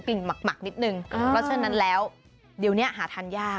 ที่ฉันชอบหาทันย่า